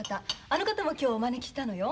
あの方も今日お招きしたのよ。